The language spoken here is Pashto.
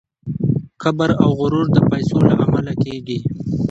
کبر او غرور د پیسو له امله کیږي.